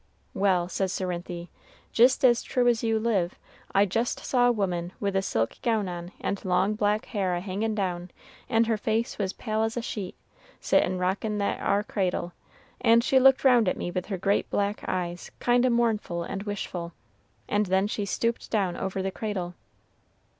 'Well,' says Cerinthy, 'jist as true as you live, I just saw a woman with a silk gown on, and long black hair a hangin' down, and her face was pale as a sheet, sittin' rockin' that ar cradle, and she looked round at me with her great black eyes kind o' mournful and wishful, and then she stooped down over the cradle.'